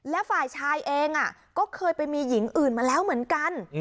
และฝ่ายชายเองก็เคยไปมีหญิงอื่นมาแล้วเหมือนกัน